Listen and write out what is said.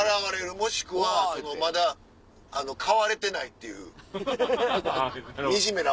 もしくはまだ買われてないっていうみじめな思い。